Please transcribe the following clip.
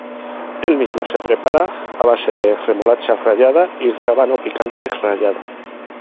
El mismo se prepara a base de remolacha rallada y rábano picante rallado.